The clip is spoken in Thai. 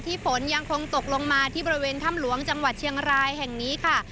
ฝนยังคงตกลงมาที่บริเวณถ้ำหลวงจังหวัดเชียงรายแห่งนี้ค่ะ